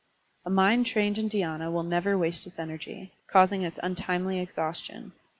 A mind trained in dhy&na will never waste its energy, causing its tmtimely exhaustion.